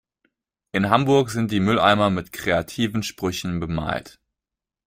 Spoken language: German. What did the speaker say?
In Hamburg sind die Mülleimer mit kreativen Sprüchen bemalt.